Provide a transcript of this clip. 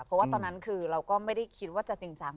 เพราะว่าตอนนั้นคือเราก็ไม่ได้คิดว่าจะจริงจัง